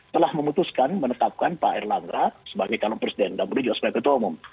telah memutuskan menetapkan pak erlangga sebagai calon presiden dan beliau juga sebagai ketua umum